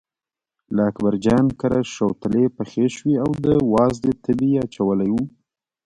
له اکبرجان کره شوتلې پخې شوې او د وازدې تبی یې اچولی و.